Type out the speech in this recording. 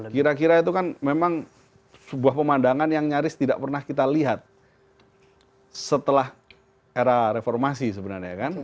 kira kira itu kan memang sebuah pemandangan yang nyaris tidak pernah kita lihat setelah era reformasi sebenarnya kan